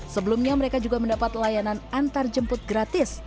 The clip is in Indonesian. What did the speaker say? sebelumnya mereka juga mendapat layanan antarjemput gratis